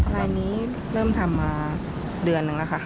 ลายนี้เริ่มทำมาเดือนนึงแล้วค่ะ